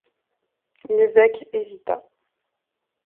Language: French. L'évêque hésita.